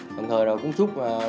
đồng thời là cũng chúc